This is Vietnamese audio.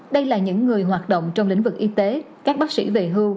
đây là những người hoạt động trong lĩnh vực y tế các bác sĩ về hưu